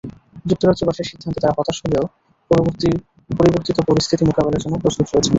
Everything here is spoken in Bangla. যুক্তরাজ্যবাসীর সিদ্ধান্তে তাঁরা হতাশ হলেও পরিবর্তিত পরিস্থিতি মোকাবিলার জন্য প্রস্তুত রয়েছেন।